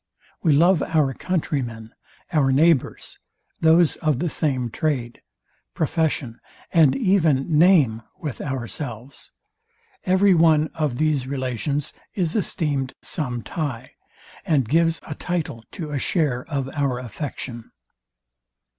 We love our country men, our neighbours, those of the same trade, profession, and even name with ourselves. Every one of these relations is esteemed some tie, and gives a title to a share of our affection.